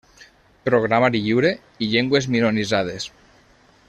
Programari lliure i llengües minoritzades.